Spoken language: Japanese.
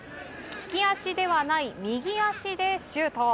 利き足ではない右足でシュート。